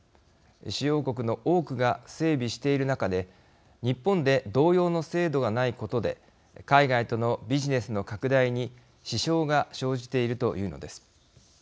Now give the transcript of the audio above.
主要国の多くが整備している中で日本で同様の制度がないことで海外とのビジネスの拡大に支障が生じているというのです。